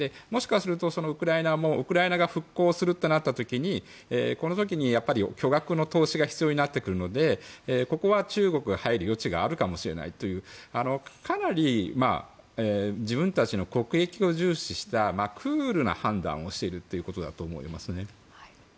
もしかするとウクライナもウクライナが復興するとなった時にこの時に巨額の投資が必要になってくるのでここは中国が入る余地があるかもしれないというかなり、自分たちの国益を重視したクールな判断をしていると思います。